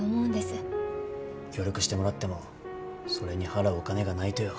協力してもらってもそれに払うお金がないとよ。